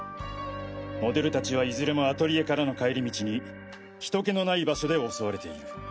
モデル達はいずれもアトリエからの帰り道に人気のない場所で襲われている。